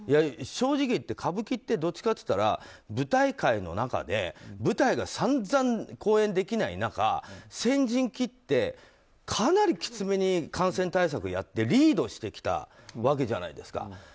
正直言って歌舞伎ってどっちかっていったら舞台界の中で舞台が散々公演できない中、先陣を切ってかなりきつめに感染対策をやってリードしてきたわけじゃないですか。